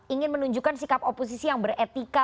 ingin menunjukkan sikap oposisi yang beretika